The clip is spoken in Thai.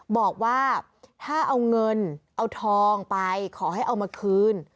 บอกว่าถ้าเอาเงินเอาทองไปขอให้เอามาคืน